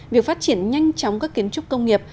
việc phát triển nhanh chóng các kiến trúc công nghiệp